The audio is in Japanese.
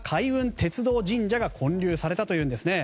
鉄道神社が建立されたというんですね。